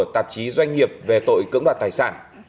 tạp chí doanh nghiệp về tội cưỡng đoạt tài sản